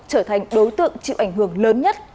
trở thành đối tượng chịu ảnh hưởng lớn nhất